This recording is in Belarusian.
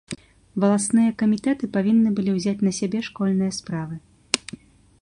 Валасныя камітэты павінны былі ўзяць на сябе школьныя справы.